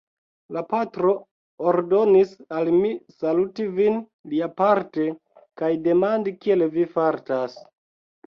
La patro ordonis al mi saluti vin liaparte kaj demandi, kiel vi fartas.